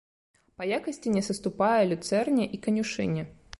Па якасці не саступае люцэрне і канюшыне.